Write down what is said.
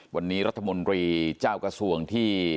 วันนี้รัฐมนตรีเจ้ากระทรวงที่